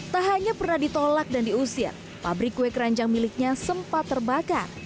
tak hanya pernah ditolak dan diusir pabrik kue keranjang miliknya sempat terbakar